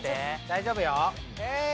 大丈夫よ。